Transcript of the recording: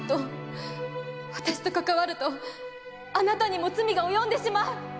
私と関わるとあなたにも罪が及んでしまう！